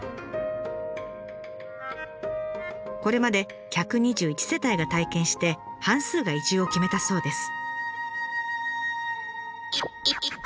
これまで１２１世帯が体験して半数が移住を決めたそうです。